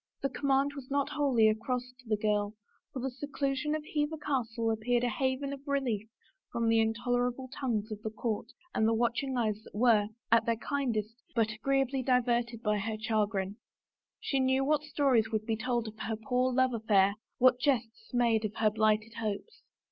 The command was not wholly a cross to the girl, for the seclusion of Hever Castle appeared a haven of relief from the intolerable tongues of the court and the watching eyes that were, at their kindest, but agreeably diverted by her chagrin. She knew what stories would be told of her poor love affair; what jests made of her blighted hopes.